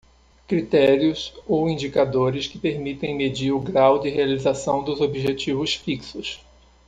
Critérios ou indicadores que permitem medir o grau de realização dos objetivos fixos.